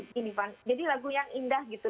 gini fann jadi lagu yang indah gitu